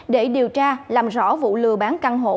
để điều tra làm rõ vụ lừa bán căn hộ